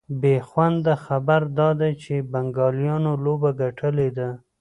بېخونده خبر دا دی چي بنګالیانو لوبه ګټلې ده